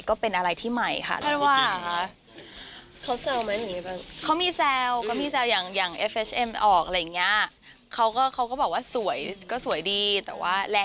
ก็เป็นอะไรที่ใหม่ค่ะแล้วว่า